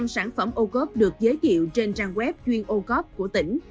một trăm linh sản phẩm ô cớp được giới thiệu trên trang web chuyên ô cớp của tỉnh